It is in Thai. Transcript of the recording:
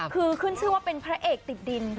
คือขึ้นชื่อว่าเป็นพระเอกติดดิน